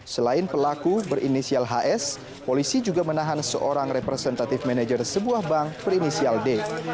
selain pelaku berinisial hs polisi juga menahan seorang representatif manajer sebuah bank berinisial d